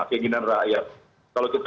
keinginan rakyat kalau kita